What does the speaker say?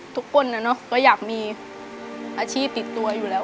ทุกคนก็อยากมีอาชีพติดตัวอยู่แล้ว